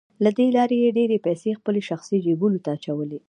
له دې لارې يې ډېرې پيسې خپلو شخصي جيبونو ته اچولې.